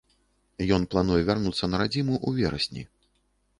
Ён плануе вярнуцца на радзіму ў верасні.